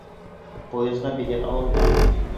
Поезға билет алынған!